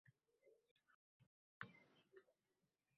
Bo’lsa bozorda pastlik, sotib olar taqsirim…